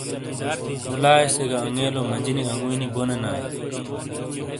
مُولائے سے اَنگیلو مَجِینی انگُوئی نی بونینائے۔